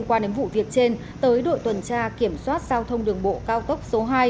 của việc trên tới đội tuần tra kiểm soát giao thông đường bộ cao tốc số hai